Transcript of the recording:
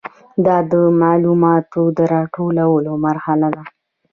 دا د معلوماتو د راټولولو مرحله ده.